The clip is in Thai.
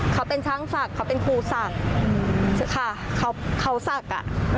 เขาเป็นช่างศักดิ์เขาเป็นครูศักดิ์ค่ะเขาศักดิ์อ่ะ